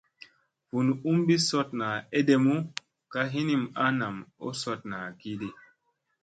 Vun umɓi sooɗna eɗemu ka hinim a nam oo soɗna kiɗi.